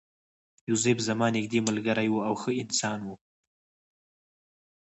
جوزف زما نږدې ملګری و او ښه انسان و